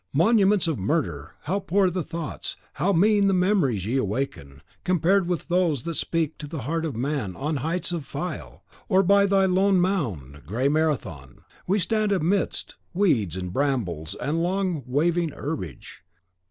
Monuments of murder, how poor the thoughts, how mean the memories ye awaken, compared with those that speak to the heart of man on the heights of Phyle, or by thy lone mound, grey Marathon! We stand amidst weeds and brambles and long waving herbage.